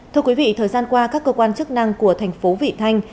thưa quý vị thời gian qua các cơ quan chức năng của tp vị thanh